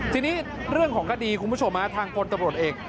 ทีนี้เรื่องของกระดีท์คุณผู้ชมทางคนตะบรดเอก